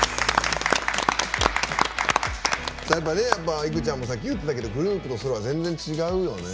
いくちゃんもさっき言ってたけどグループとソロは全然、違うよね。